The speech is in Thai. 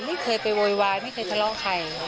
ไม่เคยไปโวยวายไม่เคยทะเลาะใคร